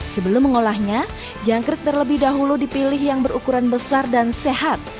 sebelum mengolahnya jangkrik terlebih dahulu dipilih yang berukuran besar dan sehat